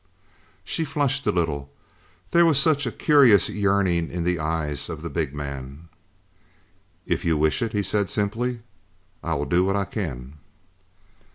She flushed a little, there was such a curious yearning in the eyes of the big man. "If you wish it," he said simply, "I will do what I can."